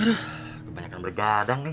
aduh kebanyakan bergadang nih